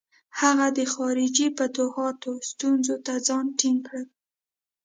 هغه د خارجي فتوحاتو ستونزو ته ځان ټینګ کړي.